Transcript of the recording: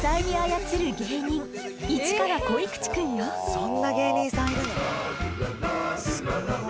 そんな芸人さんいるの？